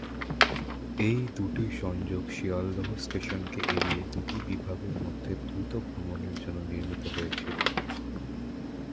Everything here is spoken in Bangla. এই দু'টি সংযোগ শিয়ালদহ স্টেশনকে এড়িয়ে দুটি বিভাগের মধ্যে দ্রুত ভ্রমণের জন্য নির্মিত হয়েছিল।